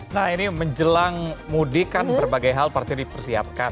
nah ini menjelang mudik kan berbagai hal pasti dipersiapkan